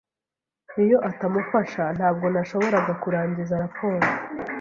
Iyo atamufasha, ntabwo nashoboraga kurangiza raporo.